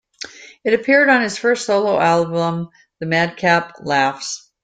It appeared on his first solo album, "The Madcap Laughs".